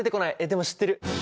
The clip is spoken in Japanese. でも知ってる！